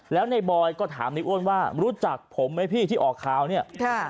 แล้วในบอยก็ถามในอ้วนว่ารู้จักผมไหมพี่ที่ออกข่าวเนี่ย